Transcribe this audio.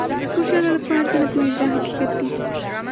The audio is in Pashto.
هوښیار خلک په هر څه نه پوهېږي دا حقیقت دی.